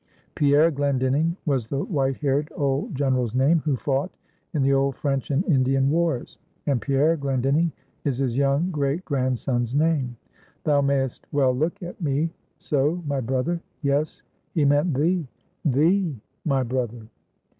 Pierre Glendinning was the white haired old General's name, who fought in the old French and Indian wars; and Pierre Glendinning is his young great grandson's name.' Thou may'st well look at me so, my brother; yes, he meant thee, thee, my brother."